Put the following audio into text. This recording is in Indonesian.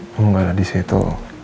mu gak ada di situ